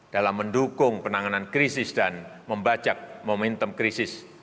dalam mendukung penanganan krisis dan membajak momentum krisis